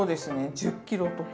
１０ｋｇとか。